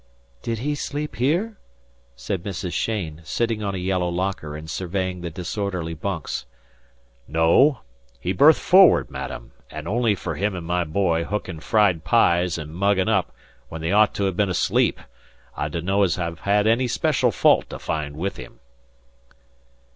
"Did he sleep here?" said Mrs. Cheyne, sitting on a yellow locker and surveying the disorderly bunks. "No. He berthed forward, madam, an' only fer him an' my boy hookin' fried pies an muggin' up when they ought to ha' been asleep, I dunno as I've any special fault to find with him."